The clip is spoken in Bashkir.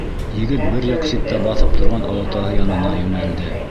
Егет бер яҡ ситтә баҫып торған олатаһы янына юнәлде.